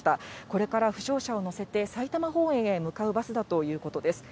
これから負傷者を乗せて、埼玉方面へ向かうバスだということです。